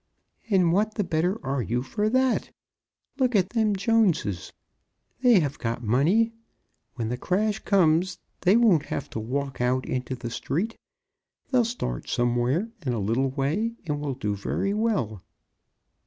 "And what the better are you for that? Look at them Joneses; they have got money. When the crash comes, they won't have to walk out into the street. They'll start somewhere in a little way, and will do very well."